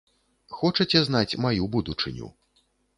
Хочаце знаць маю будучыню?